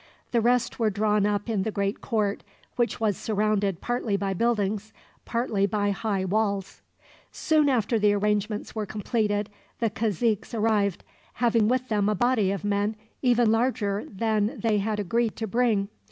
The rest were drawn up in the great court, which was surrounded partly by buildings, partly by high walls. Soon after the arrangements were completed the caziques arrived, having with them a body of men even larger than they had agreed to bring.